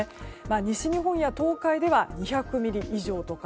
西日本や東海では２００ミリ以上とか